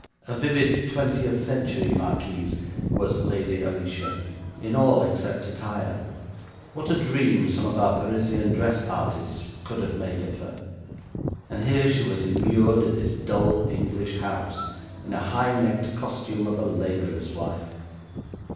A vivid twentieth century marquise was Lady Alicia, in all except attire. What a dream some of our Parisian dress artists could have made of her, and here she was immured in this dull English house in the high necked costume of a labourer's wife.